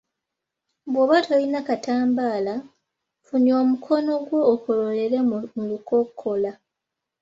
Bw’oba tolina katambaala, funya omukono gwo okololere mu lukokola.